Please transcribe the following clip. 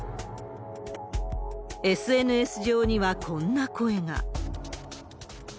ＳＮＳ上にはこんな声が。